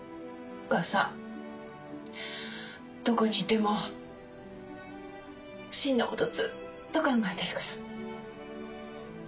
お母さんどこにいても芯のことずっと考えてるから。